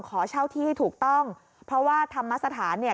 ขอเช่าที่ให้ถูกต้องเพราะว่าธรรมสถานเนี่ย